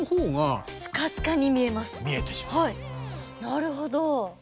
なるほど。